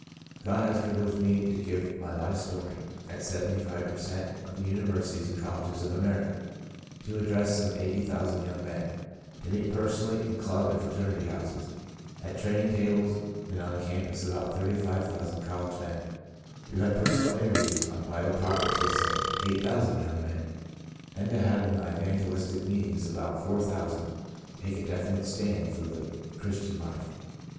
God has privileged me to give my life story at seventy five per cent, of the uni versities and colleges of America ; to address some 80,000 young men ; to meet personally in club and fraternity houses, at training tables, and on the campus about 35,000 col lege men ; to have personal interviews on vital topics with some 8,000 young men, and to have in my evangelistic meetings about 4,000 take a definite stand for the Christian life.